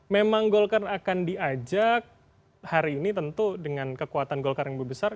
memang golkar akan diajak hari ini tentu dengan kekuatan golkar yang membesar